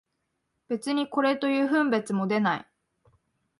別にこれという分別も出ない